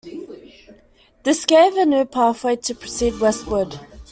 This gave a new pathway to proceed westward.